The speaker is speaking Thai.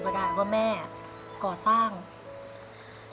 ว้าวว้าว